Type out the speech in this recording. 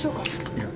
いや。